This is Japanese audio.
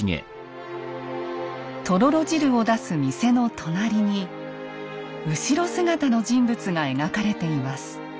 とろろ汁を出す店の隣に後ろ姿の人物が描かれています。